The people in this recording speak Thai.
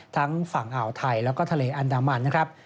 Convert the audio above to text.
ทั้งฝั่งอ่าวไทยแล้วก็ทะเลอันดามันนะครับ